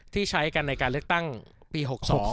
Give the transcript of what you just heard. ที่ใช้กันในการเลือกตั้งปี๖๒